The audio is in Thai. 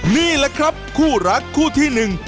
นี่แหละครับคู่รักคู่ที่หนึ่ง